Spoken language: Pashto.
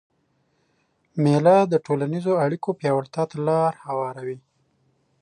مېله د ټولنیزو اړیکو پیاوړتیا ته لاره هواروي.